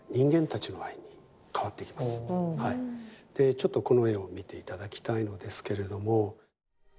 ちょっとこの絵を見て頂きたいのですけれども。